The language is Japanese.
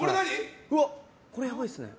これ、やばいですね。